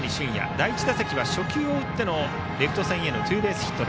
第１打席は初球を打ってのレフト線へのツーベースヒット。